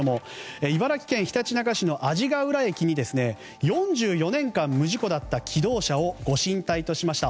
茨城県ひたちなか市の阿字ヶ浦駅に４４年間無事故だった気動車をご神体としました。